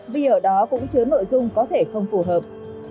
vì ở đó cũng chứa nội dung có thể không phù hợp